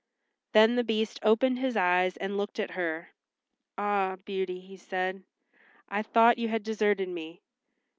Then the Beast opened his eyes and looked at her. "Ah, Beauty," he said, "I thought you had deserted me.